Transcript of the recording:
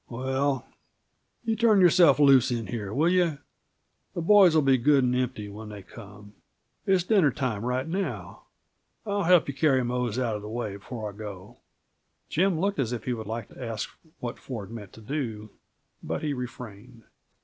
"Well, you turn yourself loose in here, will you? The boys will be good and empty when they come it's dinner time right now. I'll help you carry Mose out of the way before I go." Jim looked as if he would like to ask what Ford meant to do, but he refrained.